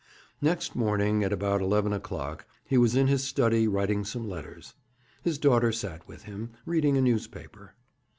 Next morning, at about eleven o'clock, he was in his study, writing some letters. His daughter sat with him, reading a newspaper.